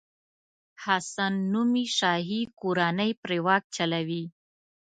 حسن نومي شاهي کورنۍ پرې واک چلوي.